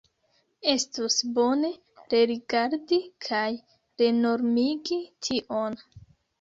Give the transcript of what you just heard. Estus bone rerigardi kaj renormigi tion.